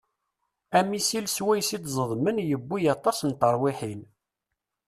Amisil swayes i d-ẓedmen yewwi aṭas n terwiḥin.